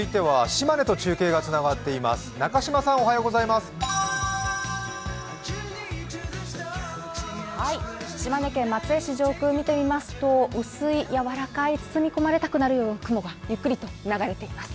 島根県松江市上空を見てみますと、薄い柔らかい包み込まれたくなるような雲がゆっくりと流れています。